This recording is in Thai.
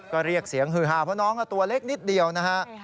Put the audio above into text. ก็เรียกเสียงฮือหาเพราะน้องก็ตัวเล็กนิดเดียวนะฮะ